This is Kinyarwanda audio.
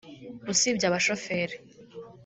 usibye abashoferi